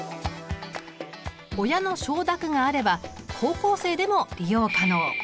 親の承諾があれば高校生でも利用可能。